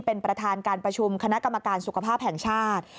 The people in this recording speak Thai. เป็นประธานการประชุมคณะกรรมการสุขภาพแห่งชาติ